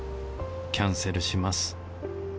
キャンセルします。